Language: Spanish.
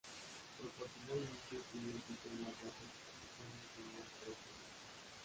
Proporcionalmente, tienen picos más largos y son mucho más forestales.